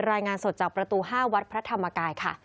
รายงานสดจากประตู๕วัดพระธรรมกายค่ะ